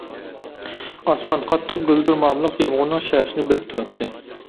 ئاسمان قاتتىق گۈلدۈرمامىلىق يامغۇرنىڭ شەپىسىنى بېرىپ تۇراتتى.